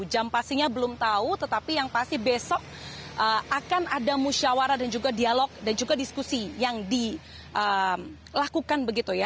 jam pastinya belum tahu tetapi yang pasti besok akan ada musyawara dan juga dialog dan juga diskusi yang dilakukan begitu ya